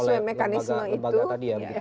kalau sesuai mekanisme itu